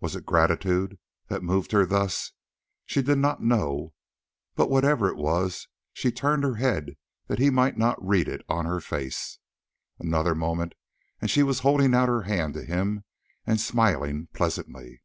Was it gratitude that moved her thus? She did not know; but whatever it was, she turned her head that he might not read it on her face. Another moment, and she was holding out her hand to him and smiling pleasantly.